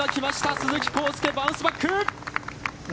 鈴木晃祐、バウンスバック。